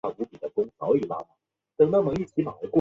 北宋朱彧将双陆称为象棋。